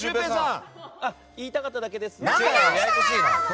言いたかっただけです。